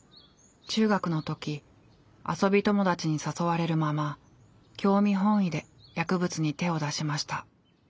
中学の時遊び友達に誘われるまま興味本位で薬物に手を出しました。